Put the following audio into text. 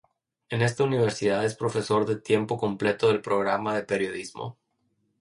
En esta universidad es profesor de tiempo completo del programa de Periodismo.